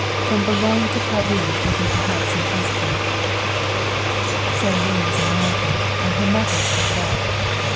From Boulogne to Calais would be perhaps impossible." Sara Lee was American and her methods were direct.